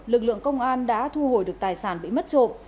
lực lượng công an đã thu hồi được tài sản bị mất trộm